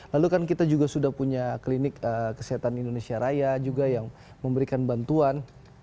lalu kan kita juga sudah punya klinik kesehatan indonesia raya juga yang memberikan bantuan